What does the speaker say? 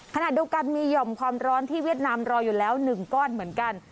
ขณะเดียวกันมีห่อมความร้อนที่เวียดนามรออยู่แล้ว๑ก้อนเหมือนกัน